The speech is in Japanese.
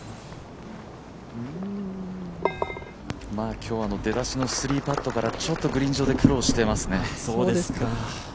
今日は出だしの３パットからグリーン上で苦労してますね。